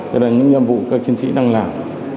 tức là những nhiệm vụ các chiến sĩ đang làm